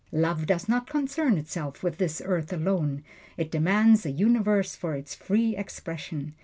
Love does not concern itself with this earth alone it demands a universe for its free expression.